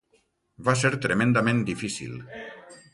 Va ser tremendament difícil.